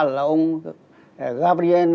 là ông gabriel